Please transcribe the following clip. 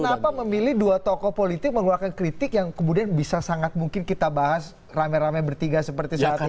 kenapa memilih dua tokoh politik mengeluarkan kritik yang kemudian bisa sangat mungkin kita bahas rame rame bertiga seperti saat ini